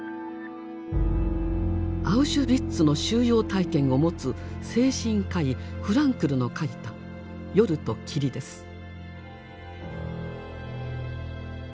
アウシュビッツの収容体験を持つ精神科医フランクルの書いた「夜と霧」です。